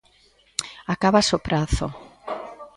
Acábase o prazo.